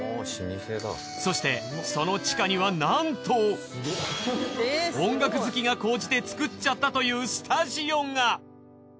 そしてその地下にはなんと音楽好きが高じて作っちゃったというスタジオが。